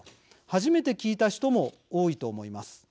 初めて聞いた人も多いと思います。